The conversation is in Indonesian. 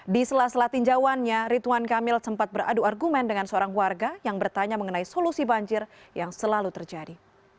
di sela sela tinjauannya rituan kamil sempat beradu argumen dengan seorang warga yang bertanya mengenai solusi banjir yang selalu terjadi